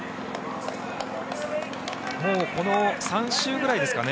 もうこの３周ぐらいですかね